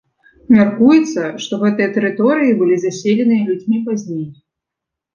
Мяркуецца, што гэтыя тэрыторыі былі заселеныя людзьмі пазней.